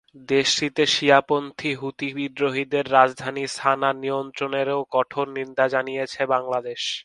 দেশটিতে শিয়াপন্থী হুতি বিদ্রোহীদের রাজধানী সানা নিয়ন্ত্রণেরও কঠোর নিন্দা জানিয়েছে বাংলাদেশ।